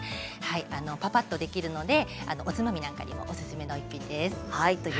ぱぱっとできるのでおつまみにもおすすめの一品です。